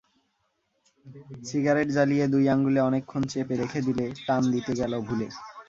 Cigarette জ্বালিয়ে দুই আঙুলে অনেকক্ষণ চেপে রেখে দিলে, টান দিতে গেল ভুলে।